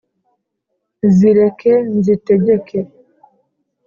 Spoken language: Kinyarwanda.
zireke nzitegeke